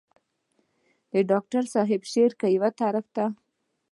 د ډاکټر صېب شاعري کۀ يو طرف ته